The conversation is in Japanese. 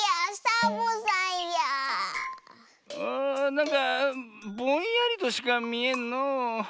なんかぼんやりとしかみえんのう。